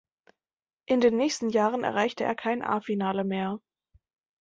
In den nächsten Jahren erreichte er kein A-Finale mehr.